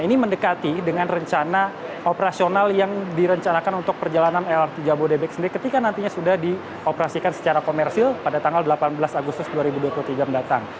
ini mendekati dengan rencana operasional yang direncanakan untuk perjalanan lrt jabodebek sendiri ketika nantinya sudah dioperasikan secara komersil pada tanggal delapan belas agustus dua ribu dua puluh tiga mendatang